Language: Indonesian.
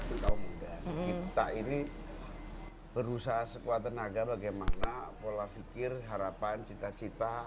kita ini berusaha sekuat tenaga bagaimana pola fikir harapan cita cita